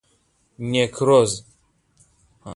نیکروز